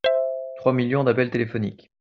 Trois millions d'appels téléphoniques.